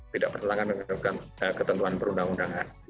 tidak bertentangan dengan ketentuan perundang undangan